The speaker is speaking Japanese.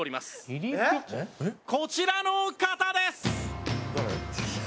こちらの方です！